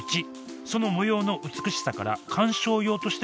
その模様の美しさから観賞用としても人気なんです。